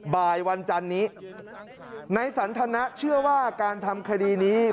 บ่ายวันจันนี้นายสันทนะเชื่อว่าการทำคดีนี้